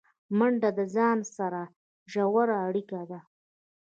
منډه د ځان سره ژوره اړیکه ده